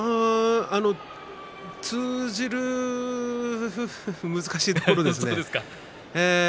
通じる難しいところですね。